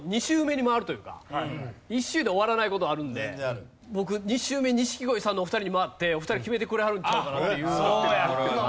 １周で終わらない事があるので僕２周目錦鯉さんのお二人に回ってお二人決めてくれはるんちゃうかなっていう。